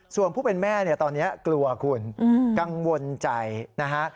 ส่วนผู้เป็นแม่เนี่ยตอนนี้กลัวคุณกังวลใจนะฮะ